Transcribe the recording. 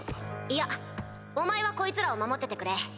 いやお前はこいつらを守っててくれ。